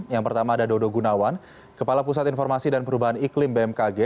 yang pertama ada dodo gunawan kepala pusat informasi dan perubahan iklim bmkg